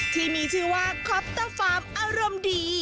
ที่มีชื่อว่าคอปเตอร์ฟาร์มอารมณ์ดี